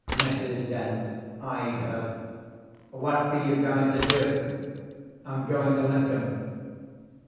Mrs. Dent eyed her. "What be you going to do?" "I'm going to Lincoln."